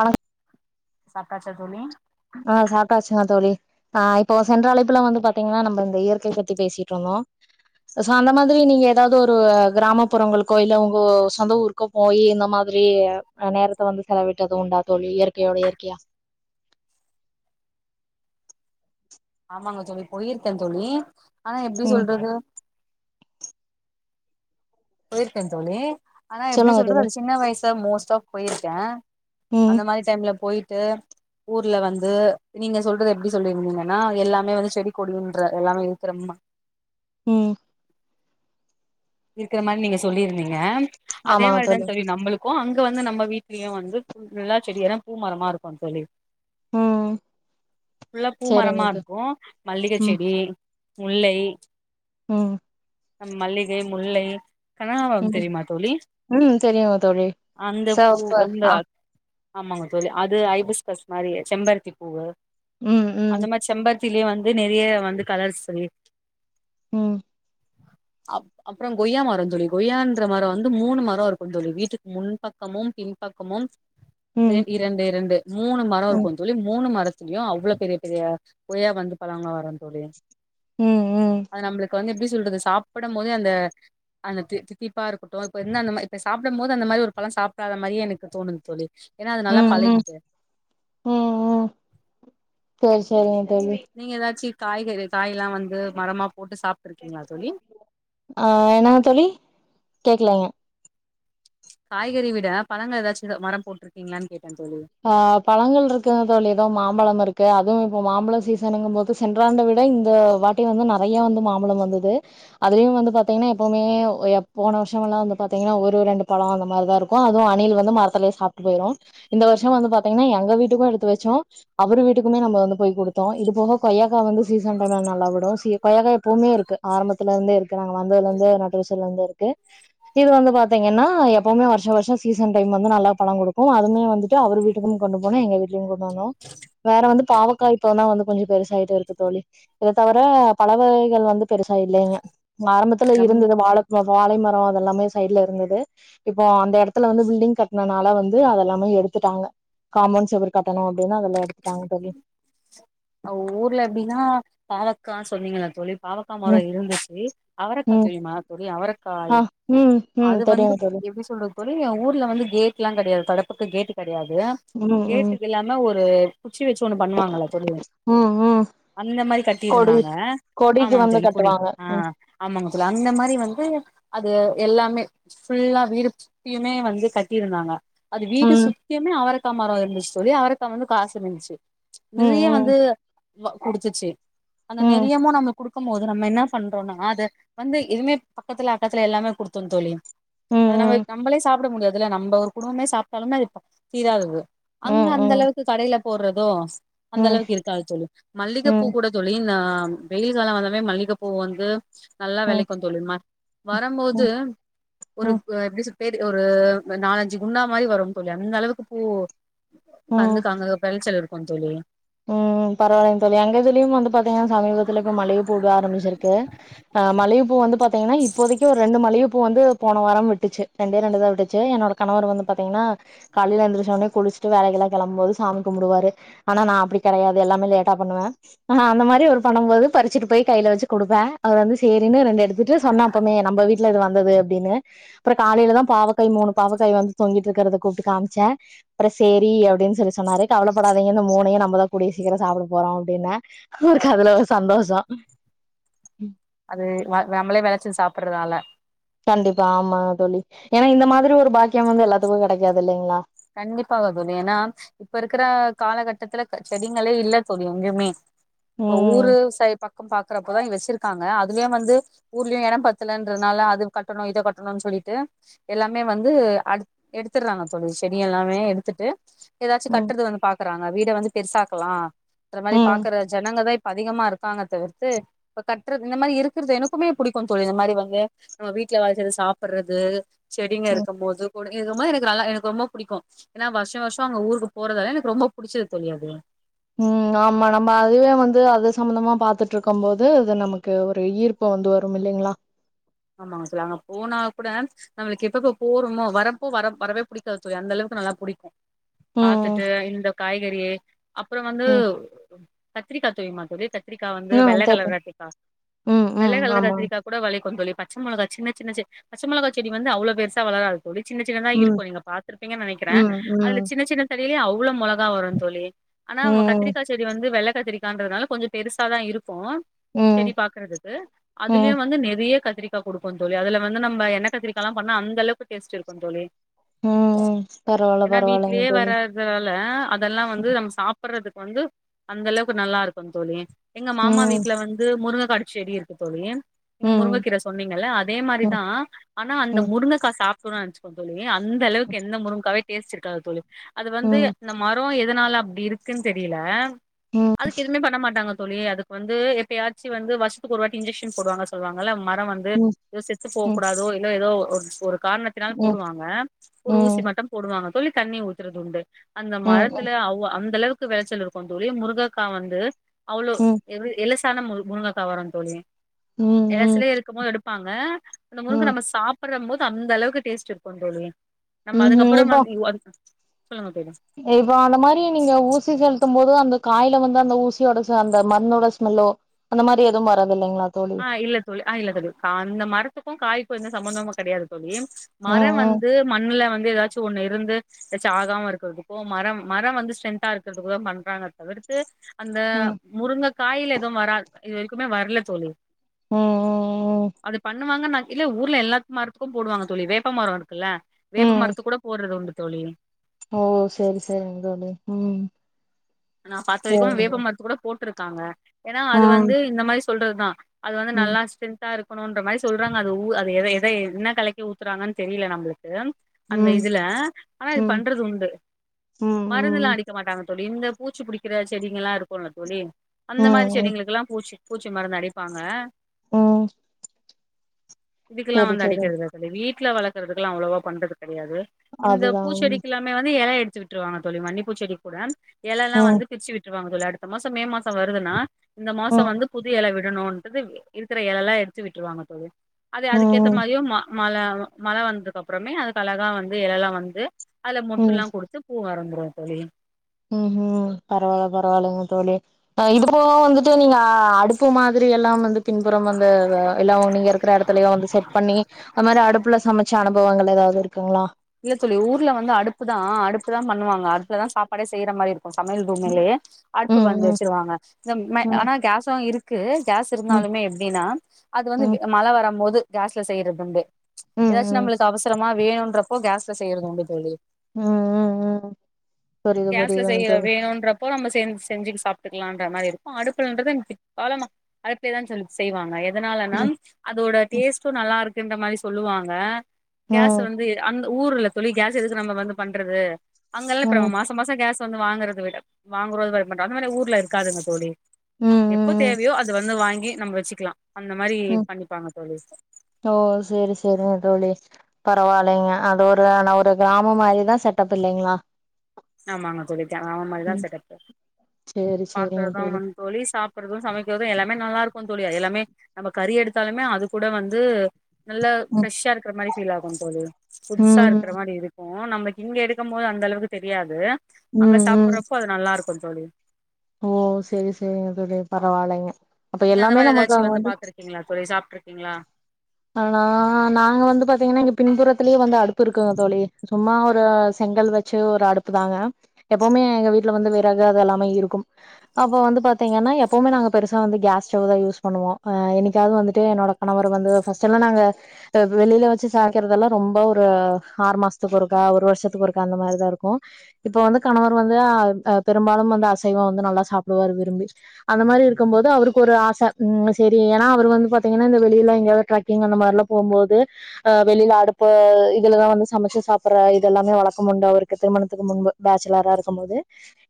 ஆ சாப்ட்டாச்சா தோழி ஆஹ் சாப்பிட்டா ஆச்சுங்கா தோழி ஆஹ் இப்போ சென்ற அழைப்புல வந்து பாத்தீங்கன்னா நம்ம இந்த இயற்கையை பத்தி பேசிட்டு இருந்தோம் சோ அந்த மாதிரி நீங்க ஏதாவது ஒரு கிராமப்புறங்கள் கோயில உங்க சொந்த ஊருக்கும் போய் இந்த மாதிரி நேரத்தை வந்து செலவிட்டது உண்டா தோழி இயற்கையோட இயற்கையா ஆமாங்க தோழி போயிருக்கேன் தோழி ஆனா எப்படி ம் சொல்றது போயிருக்க தோழி ஆனா எப்படி சொல்லுங்க தோழி சொல்றது சின்ன வயசு மோஸ்ட் ஆஃப் போயிருக்கேன் ம் அந்த மாதிரி டைம்ல போயிட்டு ஊர்ல வந்து நீங்க சொல்றது எப்படி சொல்லிருந்தீங்கன்னா எல்லாமே வந்து செடி கொடின்ற எல்லாமே இருக்கிறோமா உம் இருக்கிற நீங்க சொல்லியிருந்தீங்க அதே ஆமாங்க மாதிரிதான் தோழி சொல்லி நம்மளுக்கும் அங்க அங்க வந்து நம்ம வீட்லய வந்து நல்லா செடிகார பூ மரமா இருக்கும் தோழி ம் உள்ளள்ள பூ சரிங்க மரமா தோ இருக்கும் மல்லிகை செடி முல்லை ஹ்ம் நம்மல்லி முல்லை கனாம்பரம் ம் தெரியுமா தோழி ம் தெரியுங்க தோழி அந்த பூ சோப்பு அந்த ஆ ஆமாங்க தோழி அது ஐபிஸ்கஸ் மாதிரி செம்பருத்தி பூவு ம் அந்த ம் மாதிரி செம்பது லயே வந்து நிறைய வந்து கலர்ஸு உஹம் அப் அப்புறம் கொய்யா மரம் தோழி கொய்யான்ற மரம் வந்து மூணு மரம் இருக்கும் தோழி வீட்டுக்கு முன்பக்கமும் பின்பக்கமும் ரெ ம் இரண்டு இரண்டு மூணு மரோ ம் இருக்கும் தோழி. மூணு மரத் தெரியு அவ்ளோ பெரிய பெரிய கொய்யா வந்து பழங்க வருந் தோழி ம் ம் ம் அது நம்ளுக் இப்ப வந்து எப்டி சொல்றது சாப்பிடம் போதே அந்த அந்த தி தித்திப்பா இருக்கட்டு இப்ப என்ன நம்ம இப்ப சாப்பிடும் போது அந்த மாரி ஒரு பழம் சாப்டாத மாரியே எனக்கு தோணுது தோழி ஏன்னா அது நல்லா ம் பழகிட்டு ம் ம் சேரி சேரி நீங்க எதாச்சி காய்கறி காய்லா வந்து மரமா [unintelligible] போட்டு சாப்ட்டுருக்கீங்களா தோழி அஹ் என்னங்க தோழி கேக்கலைங்க ச் காய்கறி விட பழங்க ஏதாச்சுத மரம் போட்ருக்கீங்களானு கேட் ஆஹ் பழங்கள் இருக்குங்க தோழி ஏதோ மாம்பழம் இருக்கு. அதுவும் இப்போ மாம்பழோ சீசனுங்கும் போது சென்றாண்ட விட இந்த வாட்டி வந்து நெறைய வந்து மாம்பழம் வந்தது. அதுலயு வந்து பாத்தீங்கன்னா எப்பவுமே எப் போன வருஷமெல்லா வந்து பாத்தீங்கன்னா ஒரு ரெண்டு பழோ அந்த மாரிதா இருக்கு. அதுவு அணில் வந்து மரத்திலே சாப்ட்டு போயிரு. இந்த வருஷோ வந்து பாத்தீங்கன்னா எங்க வீட்டுக்கும் எடுத்து வச்சோ. அவரு வீட்டுக்குமே நம்ம வந்து போய் குடுத்தோ. இது போக கொய்யாக்கா வந்து சீசன் டைம்ல நல்லா விடு. சி கொய்யாக்கா எப்பவுமே இருக்கு. ஆரம்பத்துல இருந்தே இருக்கு. நாங்க வந்ததுல இருந்தே நட்டு வச்சதுல இருந்து இருக்கு. இது வந்து பாத்தீங்கன்னா எப்பவுமே வருஷோ வருஷோ சீசன் டைம் வந்து நல்லா பழங்குடுக்கு. அது கா அவரு வீட்டுக்கும் கொண்டு போனே எங்க வீட்லயும் கொண்டு போனோ வேற வந்து பாவக்கா இப்பனா வந்து கொஞ்சோ பெருசாய்ட்டு இருக்கு தோழி. இத தவிர பழ வகைகள் வந்து பெருசா இல்லேங்க. ஆரம்பத்துல நம் இருந்துது. வாழ ப வாழை ம ப்பா அதெல்லாமே சைட்ல இருந்துது. இப்போ அந்த இடத்துல வந்து பில்டிங் கட்டினனால வந்து அதெல்லாமே எடுத் டுத்துட்டாங்க. காம்போண் செவுரு கட்டணு அப்படின்னு அதெல்லா எடுத்துட்டாங்க தோழி ஊர்ல எப்டின்னா, பாவக்கா சொன்னீங்கள தோழி. பாவக்காமரோ ம் இருந்துச்சி. அவரக்கா ம் தெரியுமா தோழி? அவரைக்காய் ஆ ம் ம் அது வந்து தெரியுங்க தோழி எப்டி சொல்றது தொழி ஏ ஊர்ல வந்து கேட்ல்லா கெடயாது தடப்புக்கு கேட்டு கெ கிடயாது. ம் ம் கேட்டுக்கு இல்லாம ஒரு குச்சி வச்சு ஒன்னு பண்ணுவாங்கல்ல தோழி ம் ம் அந்த மாரி கொடி கட்டியிருந்தாங்க. கொடிக்கு ஆமாங்க வந்து தோழி கொடி கட்டுவாங்க ம் ஆஹ் ஆமாங்க தோழி அந்த மாரி வந்து அது எல்லாமே ஃபுல்லா வீடுப்யுமே வந்து கட்டிருந்தாங்க. அது வீடு ம் சுத்தியமே அவரக் க்கா மரம் இருந்துச்சு தோழி அவரக்கா வந்து காச்சு இருன்ச்சு. ச் ம் நிறைய ம் வந் வ குடுச்சுச்சு. அந்த ம் நெறையமும் நம்ம குடு பம்மோது நம்ம என்னா பண்றோனா, அத வந்து எதுமேப் பக்கத்துல அக்கத்துல எல்லாமே குடுத்தோந்தோழி ம் அது நம்ம ம் நம்மளே சாப்ட முடியாது இதுல நம்ப ஒரு குடும்பமே சாப்ட்டாலும்மே அது ப தீராதது ம் அங்க ம் அந்தளவுக்கு கடேல போட்றதோ ம் ம் அந்தளவுக்கிருக் ச்சது ம் மல்லிகப்பூக் கூட தோழி நா நமக்கு வெயில் கால வந்தாவே மல்லிகப்பூ வந்து நல்லா ம் வெளைக்கு தோழி ம வரம்மோது ஒரு ம் எப்டி சொல் லு பேர் ஒரு நாலஞ்சு குண்டா மாரி வரும் தோழி அந்த அளவுக்குப் பூ ம் கந்துக்காங்க வெளச்சல் இருக் கு தோழி ம் பரவாலைங் தோழி எங்கதுலயும் வந்து பாத்திங்கன்னா சமீபத்துல இப்ப மல்லிகப்பூதா ஆரமிச்சிருக்கு ஆ மல்லிக போ வந்து பாத் தீங்ன்னா இப்போதைக்கு ஒ ரெண்டு மலையுப் ப்போ வந்து போன வாரம் விட்டுச்சு ரெண்டே ரெண்டு தா விட்டுச்சு என்னோடக் கணவர் வந்துப் பாத்தீங்கன்னா காலைல எந்திரிச்சோனே குளிச்சிட்டு வேலைகில்லா கெளம்புபோது சாமி கும்புடுவாரு ஆனா நா அப்டி கெடையாது எல்லாமே லேட்டா பண்ணுவ அ அந்த மாரி ஒரு பண்ணும்போது பறிச்சிட்டுப் போயி கைல வச்சி குடுப்ப அவர் வந்து சேரின்னு ரெண்டு எடுத் துட்டு சொன்னா அப்பமே நம்ம வீட்ல இது வந்தது அப்டின்னு அப்றோ காலைலதா பாவக்காய் மூணு பாவக்காய் வந்துத் தொங்கிட்ருக்ரதக் கூப்ட்டுக் காம்ச்ச அப்ற சேரி அப்டின்னு சொல்லி சொன்னாரு கவலப்படாதீங்க இந்த மூணையு நம்மதா கூடிய சீக்கரோ சாப்புட போறோ அப்டின்னே அவருக்கதுல ஒரு சந்தோஷோ அது வ நம்ளே வெளச்சி சாப்புர்ரதால கண்டிப்பா ஆமா தோழி ஏனா இந்த மாதிரி ஒரு பாக்கியோ வந்து எல்லாத்துக்கு கெடக்காதுல்லைங்ளா கண்டிப்பாக தோழி ஏனா இப்ப இருக்கிற காலகட்டத்துல செடிங்களே இல்ல தோழி எங்கயுமே இப்போ ஊரு ம் சைடு பாக் க்கம் பாக்றப்பதா இ வச்சிருக்காங்க அதுலயு வந்து ஊர்லியு எடோ பத்துலன்றதுனால அதுக் கட்டணு இது கட்டனோன் சொல்லிட்டு எல்லாமே வந்து அடு எடுத்துர்றாங்க தோழி செடி எல்லாமே எடுத்துட்டு எதாச்சு ம் கட்றது வந்து பாக்க றாங்க வீட வந்து பெருசாக்கலா ன்ற மாரி ம் பாக்கற ஜனங்கதா இப்ப அதிகமாருக்காங்க தவிர்த்து இப்பக் கட்றத் இந்த மாரி இருக்றது எனக்குமே புடிக்கு தோழி இந்த மாரி வந்து நம்ம வீட்ல வெளச்சது சாப்புட்றது செடிங்க ம் இருக்கம் போது கூட [unintelligible] நல்லா எனக்கு ரொம்போப் புடிக்கு ஏனா வருஷ வருஷோ அங்க ஊருக்கு போறதால எனக்கு ரொம்ப புடிச்சது தோழி அது ம் ஆமா நம்ப அதுவே வந்து அது சம்பந்தமா பாத்துட்ருக்கம்போது அது நமக்கு ஒரு ஈர்ப்பு வந்து வரும் இல்லைங்ளா ஆமாங் சொல் அங்க போனா கூட நம்மளுக்கு எப்பப்ப போறோமோ வரப்போ வர வரவே புடிக்காது தோழி அந்தளவுக்கு நல்லா புடிக்கு ம் பாத்துட்டு இந்தக் காய்கறியே அப்பற வந்து ம் கத்திரிக்கா தெரியுமா தோழி த கத்திரிக்கா வந்து ம் வெள்ளகலர் தெரியும் கத்ரிக்கா ம் ம் வெள்ளகலர் ஆமா கத்ரிக்காக் கூட வெளைக்கு தோழி பச்ச மிளகா சின்ன சின்ன செ பச்ச மிளகா செடி வந்து அவளோ பெருசா வளராது [unintelligible] சின்ன சின்னதா ம் இருக்கும் நீங்க பாத்துருப்பீங்க நெனைக்கிறே ம் ம் அதுல சின்ன சின்ன தட் டெய்லி அவ்ளோ மொளகா வரும் தோழி ஆனா ம் கத்திரிக்காய் செடி வந்து வெள [unintelligible] கத்திரிக்கான்றதுனால கொஞ்சே பெருசா தா இருக்கு ம் சரி பாக்கறதுக்கு அதுலயு ம் வந்து நெறைய கத் [unintelligible] குடுப்போம் தோழி அதுல வந்து நம்ப எண்ண கத்திரிக்கால்லா பண்ணா அந்த அளவுக்கு டேஸ்ட்யிருக்கும் தோழி ம் பரவால்ல ஏன்னா பரவால்லைங்க வீட்லேயே தோழி வராதுனால அதெல்லா வந்து நம் சாப்படறதுக் வந்து அந்த அளவுக்கு நல்லா இருக்கும் தோழி எங்க மாமா ம் வீட்டுல வந்து முருங் கடச்செடி இருக்குத்தோழி நீங்க ம் முருங்ககீர ஸ் சொன்னீங்கள அதே மாரி ம் தா ஆனா அந்த ம் முருங்க காசு சாப்புர்றான்னச்சுப்பே தோழி [unintelligible] அந்த அளவுக்கு எந்த முருங்கக்காவே டேஸ்ட் இருக்காது தோழி அது வந்து ம் இந்த மரோ எ எதனால அப்டி இருக்குன்னு தெரியல ம் ம் அதுக்கு எதுவுமே பண்ண மாட்டாங்க தோழி அதுக்கு வந்து எப்பேயாச்சும் வந்து வருசத்துக்கு ஒரு வாட்டி இன்ஜெக்க்ஷன் போடுவாங்க சொல்லுவாங்கல மரம் ரே ம் ஏ செத்து ம் போக்கூடாதோ இல்ல ஏதோ ஒ [unintelligible] காரணத்தினால் ம் ம் போடுவாங்க ஒரு ஊசி ம் மட்டும் போடுவாங்க சொல்லி தண்ணி ஊத்துறது உண்டு அந்த ம் மரத்துல அவொ அந்த அளவுக் நன்கு வெளைச்சல் இருக்கும் தோழி முருங்கக்கா வந்து அவ்ளோ எவ் எலஸ் தான முரு முருங்காக்க வர தோழி உம் உம் மோ எடுப்பாங்க அந்த முருங்கக்கா நம்ம சாப் ப்டறோம்போது அந்தளவுக்கு டேஸ்ட் இருக்கும் தோழி நம்ம ம் அதுக்கப்புறோ இப்போ வந் [unintelligible] இப்போ அந்த மாரி நீங்க ஊசி செலுத்தும் போது அந்த காய்ல வந்து அந்த ஊசியோட ச அந்த மண்ணோட ஸ்மெல்லோ அந்த மாரி எதுவும் வராது இல்லைங்களா தோழி ஆஹ் இல்ல தோழி ஆஹ் இல்ல தோழி அந்த மரத்துக்கும் காய்க்கும் எந்த சம்மந்தமும் கிடையாது தோழி ம் மரம் ம் வந்து மண்ணுல வ ந்து ஏதாச்சும் ஒண்ணு இருந்து ஏதாச்சும் ஆகாம இருக்கிறதுக்கோ மரம் மரம் வந்து ஸ்ட்ரென்தா இருக்கிறதுக்கோ தான் பண்றாங்க தவிர்த்து அந்த ம் முருங்கை காயில எதுவும் வராது இதுவரைக்குமே வரல தோழி ம் ம் அது பன் னுவாங்கனா இல்ல ஊருல எல்லா மரத்துக்கும் போடுவாங்க தோழி வேப்ப மரம் இருக் குல்ல ம் வேப்ப ம் மரத்து கூட போடுறது உண்டு தோழி ஓ சரி சரிங்க தோழி உம் நா பாத்த வரைக்கு வேப்ப மரத்து கூட போ ட்ருக்காங்க ஏன்னா ஆ அது வந்து இந்த மாரி சொல்றதுதா அது வந்து ம் நல்லா ஸ்ரென்த்தா இருக் கணுன்ற மாரி சொல்றாங்க அது உ அது எத எதை என்ன கலக்கி ஊத்தறாங்கன் தெரியல நம்மளுக்கு அந்த ம் இதுல ஆனா ம் இது ம் பண்றது உண்டு மருந்துலா ம் அடிக்க மாட்டாங்க தோழி இந்த பூச்சி பிடிக்கிற செடிங்கலா இருக்குல்ல தோழி ம் அந்த மாரி ம் செடிகளுக்கெல்லா பூச்சி பூச்சி மருந்து அடிப்பாங்க ம் இதுக்குல்லா செரி வந்து செரி அடிக்கிறதுல்ல தோழி வீ ட்ல வளக்கறக்குலா அவ்ளோவா பண்றது கெடையாது இந்த அதுதான் ம் பூச்செடிக்குலாமே வந்து எர எடு த்து விட்ருவாங்க தோழி மல்லிப் பூச்செடி கூட எலலா ம் வந்து பிரிச்சு விட்டு ட்ருவாங்க தோழி அடுத்த மாசோ மே மாசோ வருதுன்னா இந்த மாசோ ம் வந்து புது எல விடணு அது இருக்கிற எலலா எடுத்து விட்ருவாங்க தோழி அது அதுக்கேத்த ம் மாரியு மா மழ மழ வந்ததுக்கு அப்றமே அதுக்கு அழகா வந்து எலலா வந்து அதுல ம் மொட்டுல்லா குடுத்து பூ வறந்துரு தோழி ம் ஹ்ம் பரவால்ல பரவால்லைங்க தோழி ஆ இதப்போ வந்துட்டு நீங்க ஆ அடுப்பு மாதிரி எல்லாம வந்து பின்புறம் வந்து எல்லா நீங்க இருக்கிற இடத்துலயோ வந்து செட் பண்ணி அந்த மாதிரி அடுப்புல சமைச்ச அனு போவாங்கல்ல ஏதாவ்து இருக்குங்ளா இல்ல தோழி ஊர்ல வந்து அடுப்பு தா அடுப்பு தா பண்ணுவாங்க அடுப்புல தா சாப்பாடே செய்யற மாரி இருக்கு சமையல் ரூமிலேயே அடுப்பு வந்து ம் வச்சிருவாங்க மே ம் ஆனா கேஸ் சா இருக் க்கு கேஸ் ம் இருந்தாலுமே எப்படின்னா அது வந்து ம் மழ வரும் போது கேஸ்ல செய்றதுண்டு ம் ம் ஏதாச்சு ம் நம்ளுக்கு அவசரமா வேணுன்றப் ஓ கேஸ்ல செய்யுறது உண்டு தோழி ம் ம் ம் புரியுது கேஸ்ல புரியுதுங்க செய்ய தோழி வேணுன்றப்போ நம்ம செ செஞ்சு சாப் துக்லான்ற மாரி இருக்கு அடுப்புலன்றது எங் பிக் வரம்மா அடுப்லயேதா தோழி செய்வாங்க எ அதனாலனா ம் அதோட டேஸ்ட்டும் நல்லா இருக் இந்த மாதிரி சொல்லுவாங்க கேஸ் ம் வந்து ந்த ஊர்ல தோழி கேஸ் எதுக்கு நம்ம வந்து பண்றது அங்கல்லா இப்ப ம் மாச மாசம் கேஸ் வந்து வாங்குறத விட வாங்குறது [unintelligible] அந்த மாரி ஊர்ல இருக்காதுங்க தோழி ம் எப்போ ம் தேவையோ அது வந்து வாங்கி நம்ம வச்சுக்லா உம் ஓ சேரி செரிங் தோழி பரவால்லைங்க அது ஒரு அ ஒரு கிராமொ மாரிதா செட்டப் இல்லைங்களா ஆமாங்க தோழி த ஆமா இதா ம் செட்டப்பு சேரி சேரிங்க பாக்குறது வந் தோழி சாப்புர்றது சமைக்கிறது எல்லாமே நல்லா இருக்கு தோழி ய எல்லாமே நம்ம கறி எடுத்தாலுமே அது கூட வந்து நல்லா ம் ஃப்ரெஷ்ஷா இருக்ற மாரி ஃபீல் ஆகுந் தோழி புதுசா ம் இருக்ற மாரி இரு போ நமக்கு இங்க எடுக்கம்போது அந்த அளவுக்கு தெ டியாது அங்க ம் ம் சாப்புர்றப்போ அது நல்லா இருக் [unintelligible] தோழி ஓ செரி செரிங்க தோழி பரவால்லைங்க நீங்க அந்த மாரி ஏதாச்சு வந்து பாத்ருக்கிங்களா தோழி சாப்ட்ருக்கிங்களா நா நாங்க வந்து பாத்தீங்கன்னா இங்க பின்புறத்துலயே வந்து அடுப்பு இருக்குங்க தோழி சும்மா ஒரு செங்கல் வெச்சு ஒரு அடுப்பு தாங்க எப்பவுமே எங்க வீட்லெ வந்து விறகு அது எல்லாமே இருக்கும் அப்போ வந்து பாத்திங்கனா எப்பவுமே நாங்க பெருசா வந்து கேஸ் ஸ்டவ் தா யூஸ் பண்ணுவோம் ஹே என்னைக்காவது வந்துட்டு என்னோட கணவர் வந்து பஸ்ட்டுல்லா நாங்க வெளில வச்சு சாமக்கறதெல்லா ரொம்ப ஒரு ஆறு மாஷ்த்துக்கு ஒருக்கா ஒரு வருஷத்துக்கு ஒருக்கா அந்த மாரிதா இருக்கும் இப்போ வந்து கணவர் வந்து அ அ பெரும்பாலும் வந்து அசைவம் வந்து நல்லா சாப்டுவாரு விரும்பி அந்த மாரி இருக்கும் போது அவருக்கு ஒரு ஆச செரி ம் எனா அவர் வந்து பாத்திங்கனா இந்த வெளியெல்லா எங்கயாது ட்ரக்கிங் அந்த மாதிரி எல்லாம் போகும் போது அஹ் வெளியில அடுப்பு இதுலதான் வந்து சமைச்சு சாப்பிடுற இது எல்லாமே வழக்கமுண்டு அவருக்கு திருமணத்துக்கு முன்பு பேச்சலரா இருக்கும் போது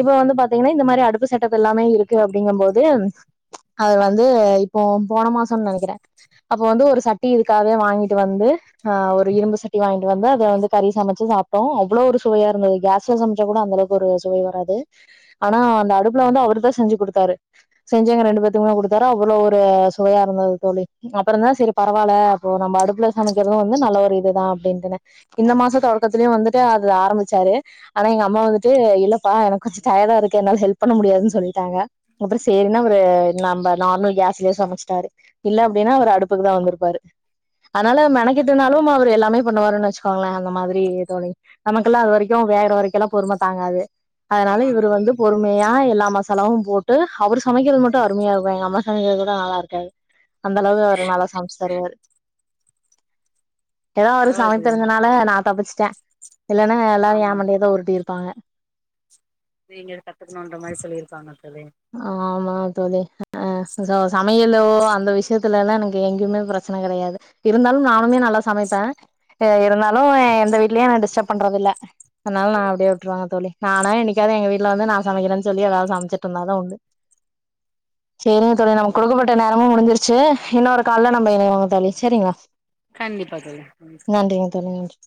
இப்ப வந்து பாத்தீங்கன்னா இந்த மாதிரி அடுப்பு செட்டப் எல்லாமே இருக்கு அப்படிங்கும் போது அதுல வந்து இப்போ போன மாசம்னு நெனக்கிறேன் அப்போ வந்து ஒரு சட்டி இதுக்காக வாங்கிட்டு வந்து ஆஹ் ஒரு இரும்பு சட்டி வாங்கிட்டு வந்து அத வந்து கறி சமைச்சு சாப்பிட்டோம் அவ்வளோ ஒரு சுவையா இருந்தது கேஸ்ல சமைச்சா கூட அந்த அளவுக்கு ஒரு சுவை வராது ஆனா அந்த அடுப்புல வந்து அவரு தான் செஞ்சு கொடுத்தாரு செஞ்சவங்க ரெண்டு பேத்துக்குமே கொடுத்தா அவ்வளோ ஒரு சுவையா இருந்தது தோழி அப்புறம்ந்தான் சரி பரவாயில்ல அப்போ நம்ம அடுப்புல சமைக்கிறதும் வந்து நல்ல ஒரு இதுதான் அப்படின்ட்டுன இந்த மாச தொடக்கத்தலேயும் வந்துட்டு அது ஆரம்பிச்சாரு ஆனா எங்க அம்மா வந்துட்டு இல்லப்பா எனக்கு கொஞ்சம் டயர்டா இருக்கு என்னால ஹெல்ப் பண்ண முடியாதுன்னு சொல்லிட்டாங்க அப்புறம் சேரின்னு அவரு நம்ம நார்மல் கேஸ்லயே சமைச்சிட்டாரு இல்ல அப்படின்னா அவ அடுப்புக்கு தான் வந்திருப்பாரு அதனால மெனக்கிட்டு இருந்தாலும் அவர் எல்லாமே பண்ணுவாருன்னு வச்சுக்கோங்களேன் அந்த மாதிரி தோ நமக்கெல்லாம் அது வரைக்கும் வேகற வரைக்கும் எல்லாம் பொறுமை தாங்காது அதனால ஆமாங்க இவரு வந்து தோழி பொறுமையா எல்லாம் மச தலவும் போட்டு அவரு சமைக்கிறது மட்டும் அருமையா இருக்கும் எங்க அம்மா சமைக்கிறது கூட நல்லா இருக்காது அந்த அளவு அவரு நல்லா தருவாரு ஏதோ அவரு பரவால்ல தோழி சமைக்கிறதனாலே நான் தப்பிச்சு சா இல்லேன்னா எல்லாரும் ஆமாங்க ஏம் மண்டையதான் உருட்டி இருக்கு பாங்க நீங்க கத்துக்கணும்ன்ற மாதிரி சொல்லியிருப்பாங்க ஆமா தோழி அ சோ சமையலோ அந்த விஷயத் துலல்லா எனக்கு எங்கயுமே பிரச்சன கிடையாது இருந்தாலும் நானுமே நல்லா சமைப்பே அ இருந்தாலு அ எந்த வீட்லயே நா டிஸ்டர்ப் பண்றதில்ல அத்னால நா அப்புடியே விட்ருவாங்க தோழி நானா எனைக்காவது எங்க வீட்ல வந்து நா சமைக்கிறன் சொல்லி எதாவது சமச்சிட் ட்ருந்தாதா உண்டு சேரிங்க தோழி நமக்கு குடுக்கப்பட்ட நேரமும் முடிஞ்சிருச்சு இன்னொரு கால்ல நம்ப இனைவோங்க தோழி சேரிங்களா கண்டிப்பா தோழி ம் நன்றிங்க தோழி நன்றி